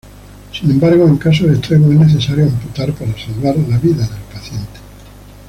Sin embargo en casos extremos es necesario amputar para salvar la vida del paciente.